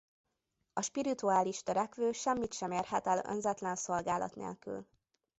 A spirituális törekvő semmit sem érhet el önzetlen szolgálat nélkül.